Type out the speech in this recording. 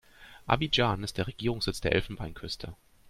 Abidjan ist der Regierungssitz der Elfenbeinküste.